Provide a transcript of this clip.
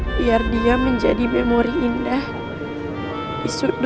biar dia menjadi memori indah di sudut hatiku